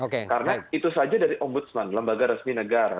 karena itu saja dari ombudsman lembaga resmi negara